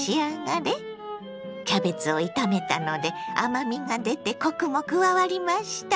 キャベツを炒めたので甘みが出てコクも加わりました。